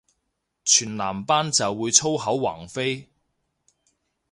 全男班就會粗口橫飛